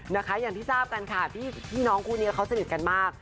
นะคะอย่างที่ทราบกันค่ะพี่น้องคู่นี้เขาสนิทกันมาก